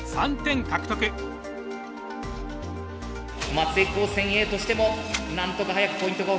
松江高専Ａとしてもなんとか早くポイントが欲しい。